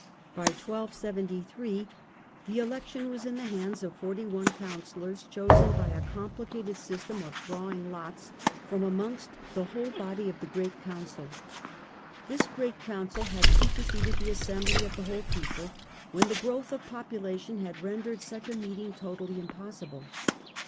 By 1273 the election was in the hands of forty one councillors chosen by a complicated system of drawing ITALY, 1273 1313 31 lots from amongst the whole body of the Great Council. This Great Council had superseded the Assembly of the whole people when the growth of population had rendered such a meeting totally impossible.